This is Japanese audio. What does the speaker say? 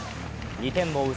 ２点を追う